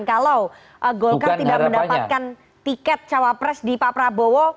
kalau golkar tidak mendapatkan tiket cawapres di pak prabowo